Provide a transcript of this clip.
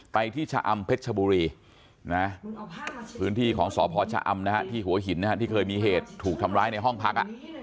ไปที่ชะอำเพชรชบุรีนะพื้นที่ของสพชะอำนะฮะที่หัวหินที่เคยมีเหตุถูกทำร้ายในห้องพัก